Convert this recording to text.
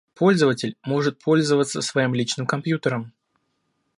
Пользователь может пользоваться своим личным компьютером